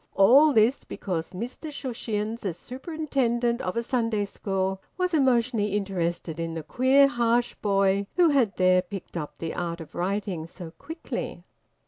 All this because Mr Shushions, as superintendent of a Sunday school, was emotionally interested in the queer, harsh boy who had there picked up the art of writing so quickly.